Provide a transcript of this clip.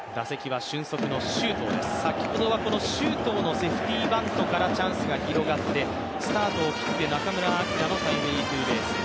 先ほど周東のセーフティーバントからチャンスが広がって、スタートを切って中村晃のタイムリーツーベース。